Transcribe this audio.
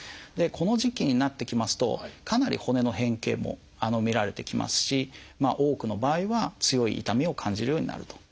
この時期になってきますとかなり骨の変形も見られてきますし多くの場合は強い痛みを感じるようになると。